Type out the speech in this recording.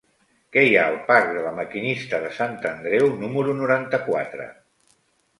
Què hi ha al parc de La Maquinista de Sant Andreu número noranta-quatre?